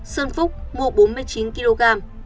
sơn phúc mua bốn mươi chín kg